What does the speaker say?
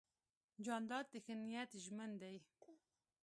جانداد د ښه نیت ژمن دی.